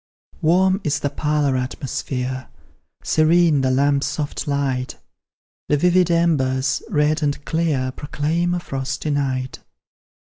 Warm is the parlour atmosphere, Serene the lamp's soft light; The vivid embers, red and clear, Proclaim a frosty night.